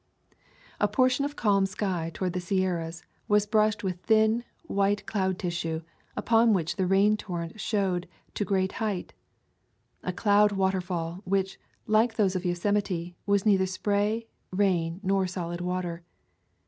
A portion of calm sky toward the Sierras was brushed with thin, white cloud tissue, upon which the rain torrent showed to a great height — a cloud waterfall, which, like those of Yosemite, was neither spray, rain, nor solid water.